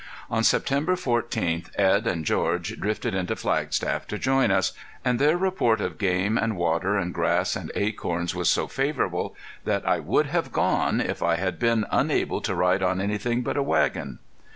On September fourteenth Edd and George drifted into Flagstaff to join us, and their report of game and water and grass and acorns was so favorable that I would have gone if I had been unable to ride on anything but a wagon.